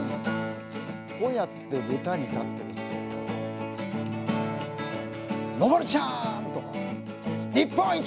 こうやって舞台に立ってると「のぼるちゃん！日本一！」。